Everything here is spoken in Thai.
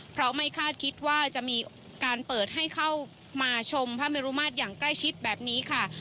เพราะไม่คาดคิดว่าจะมีการเปิดให้เข้ามาชมพระเมรุมาตรอย่างใกล้ชิดแบบนี้ค่ะ